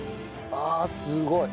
あすごい。